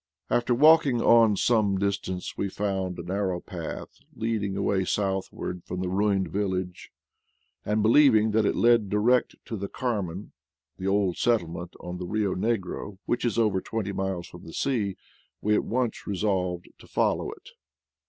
After walking on some distance we found a nar row path leading away southward from the ruined village, and, believing that it led direct to the Car men, the old settlement on the Bio Negro, which is over twenty miles from the sea, we at once re solved to follow it.